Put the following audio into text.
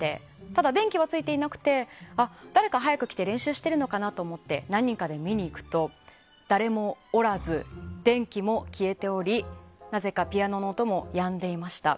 ただ、電気はついていなくて誰か早く来て練習しているかなと思って何人かで見に行くと誰もおらず電気も消えておりなぜかピアノの音もやんでおりました。